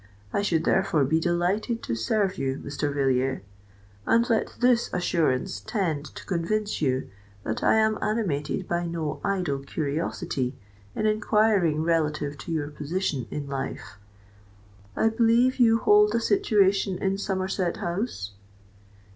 I should therefore be delighted to serve you, Mr. Villiers; and let this assurance tend to convince you that I am animated by no idle curiosity in enquiring relative to your position in life. I believe you hold a situation in Somerset House?"